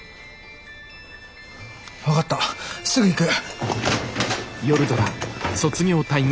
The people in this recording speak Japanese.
分かったすぐ行く。